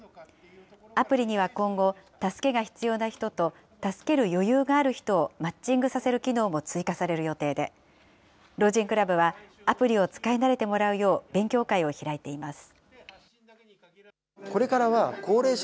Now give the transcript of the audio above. アプリには今後、助けが必要な人と、助ける余裕がある人をマッチングさせる機能も追加される予定で、老人クラブはアプリを使い慣れてもらうよう、勉強会を開いています。